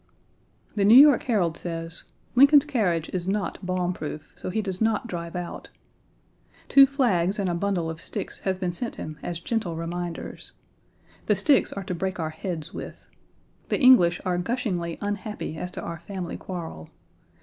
The New York Herald says: "Lincoln's carriage is not bomb proof; so he does not drive out." Two flags and a bundle of sticks have been sent him as gentle reminders. The sticks are to break our heads with. The English are gushingly unhappy as to our family quarrel.